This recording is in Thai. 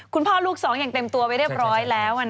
คุณพ่อลูกสองอย่างเต็มตัวไปเรียบร้อยแล้ว